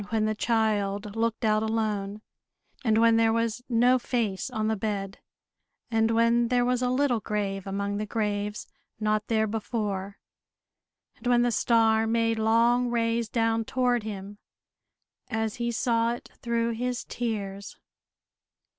when the child looked out alone, and when there was no face on the bed; and when there was a little grave among the graves, not there before; and when the star made long rays down toward him, as he saw it through his tears.